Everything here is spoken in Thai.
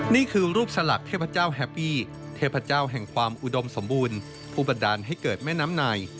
นี่คือรูปสลักเทพเจ้าแฮปปี้เทพเจ้าแห่งความอุดมสมบูรณ์ผู้บันดาลให้เกิดแม่น้ำใน